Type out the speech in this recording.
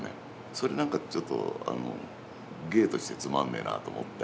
それ何かちょっと芸としてつまんねえなと思って。